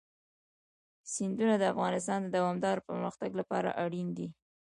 سیندونه د افغانستان د دوامداره پرمختګ لپاره اړین دي.